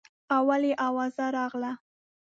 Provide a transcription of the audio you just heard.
اول یې اوازه راغله.